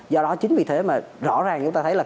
do đó chính vì thế mà rõ ràng chúng ta thấy là